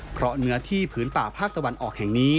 เพราะเหนือพื้นป่าภาคตะวันออก